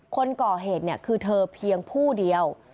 คนก่อเหตุคือเธอเพียงผู้เดียว